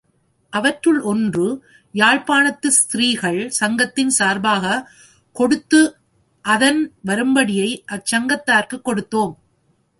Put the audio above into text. அவற்றுள் ஒன்று, யாழ்ப்பாணத்து ஸ்திரீகள் சங்கத்தின் சார்பாகக் கொடுத்து அதன் வரும்படியை அச்சங்கத்தாருக்குக் கொடுத்தோம்.